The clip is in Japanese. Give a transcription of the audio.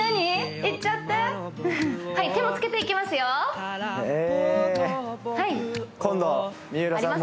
言っちゃってはい手もつけていきますよえ